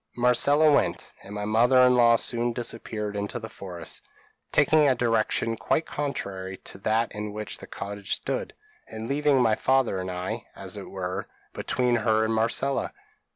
Marcella went; and my mother in law soon disappeared in the forest, taking a direction quite contrary to that in which the cottage stood, and leaving my father and I, as it were, between her and Marcella.